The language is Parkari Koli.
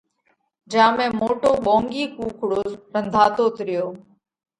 جيا ۾ موٽو ٻونڳي ڪُوڪڙو رنڌاتوت ريو۔